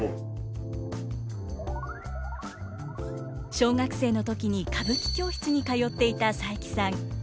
小学生の時に歌舞伎教室に通っていた佐伯さん。